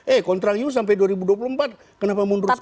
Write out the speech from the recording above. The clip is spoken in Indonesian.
eh kontrak yuk sampai dua ribu dua puluh empat kenapa mundur